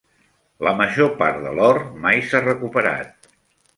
La major part de l'or mai s'ha recuperat.